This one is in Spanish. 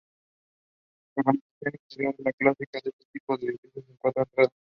La organización interior es la clásica en este tipo de edificios, con cuatro entradas.